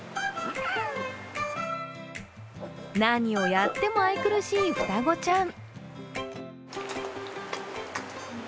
何をやっても愛くるしい双子ちゃん。